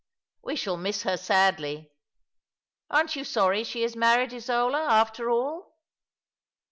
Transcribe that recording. " We shall miss her sadly. Aren't yon sorry she is married, Isola, after all